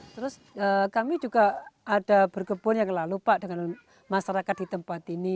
terus kami juga ada berkebun yang lalu pak dengan masyarakat di tempat ini